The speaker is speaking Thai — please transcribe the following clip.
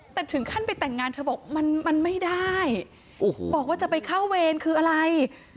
แต่ถึงขั้นไปแต่งงานเธอบอกมันไม่ได้บอกว่าจะไปเข้าเวรคืออะไร